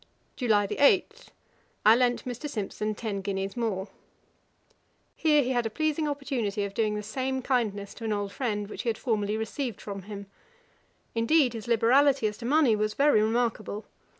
'July 8. I lent Mr. Simpson ten guineas more.' Here he had a pleasing opportunity of doing the same kindness to an old friend, which he had formerly received from him. Indeed his liberality as to money was very remarkable.